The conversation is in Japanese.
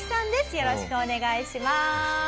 よろしくお願いします。